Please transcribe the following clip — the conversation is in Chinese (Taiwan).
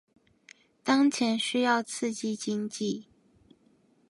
當前需要刺激經濟